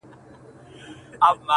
د مخورو کسانو کورو ته هم ورتلئ.